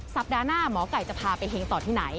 สัปดาห์หน้าหมอไก่จะพาไปเฮงต่อที่ไหน